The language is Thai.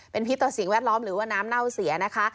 เป็นพิษต่อสิ่งแวดล้อมหรือว่าน้ำเน่าเสียนะคะ